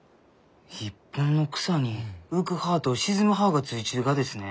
一本の草に浮く葉と沈む葉がついちゅうがですね？